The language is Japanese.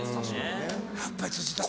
やっぱり土田